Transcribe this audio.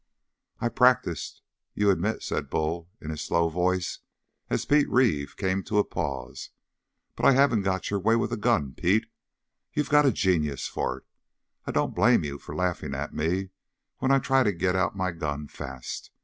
"I've practiced, you admit," said Bull in his slow voice, as Pete Reeve came to a pause. "But I haven't got your way with a gun, Pete. You've got a genius for it. I don't blame you for laughing at me when I try to get out my gun fast.